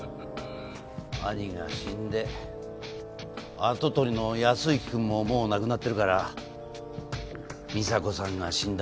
兄が死んで跡取りの靖之くんももう亡くなってるから美沙子さんが死んだ